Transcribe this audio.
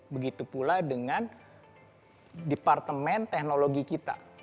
begitu pula dengan departemen teknologi kita